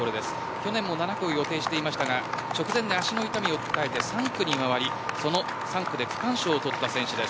去年も７区を予定していましたが直前で足の痛みを訴えて３区に回り３区で区間賞をとった選手です